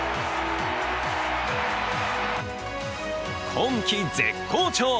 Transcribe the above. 今季絶好調！